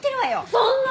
そんな！